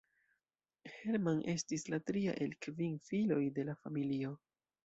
Hermann estis la tria el kvin filoj de la familio.